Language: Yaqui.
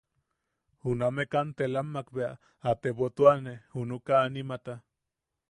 Juname kantelammak bea a tebotuane junaka animata.